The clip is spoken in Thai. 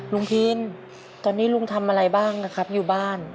ทีนตอนนี้ลุงทำอะไรบ้างนะครับอยู่บ้าน